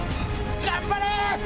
頑張れ！